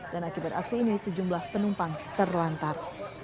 akibat aksi ini sejumlah penumpang terlantar